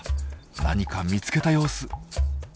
何か見つけた様子。